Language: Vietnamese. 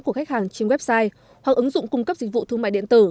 của khách hàng trên website hoặc ứng dụng cung cấp dịch vụ thương mại điện tử